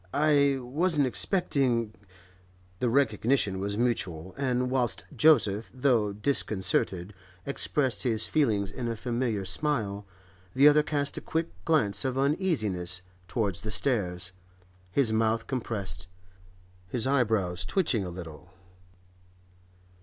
'I wasn't expecting—' The recognition was mutual, and whilst Joseph, though disconcerted, expressed his feelings in a familiar smile, the other cast a quick glance of uneasiness towards the stairs, his mouth compressed, his eyebrows twitching a little.